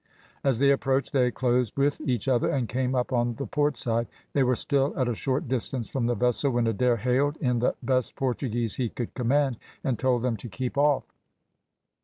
As they approached they closed with each other, and came up on the port side; they were still at a short distance from the vessel, when Adair hailed, in the best Portuguese he could command, and told them to keep off.